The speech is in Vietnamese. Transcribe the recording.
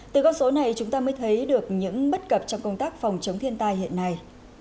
từ con số này chúng ta mới thấy được những bất cập trong công tác phòng chống thiên tai hiện nay